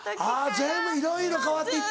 全部いろいろ変わって行って。